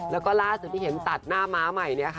แล้วก็ล่าสุดที่เห็นตัดหน้าม้าใหม่เนี่ยค่ะ